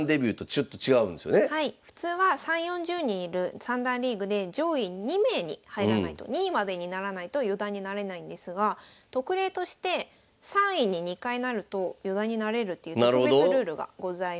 普通は３０４０人いる三段リーグで上位２名に入らないと２位までにならないと四段になれないんですが特例として３位に２回なると四段になれるっていう特別ルールがございます。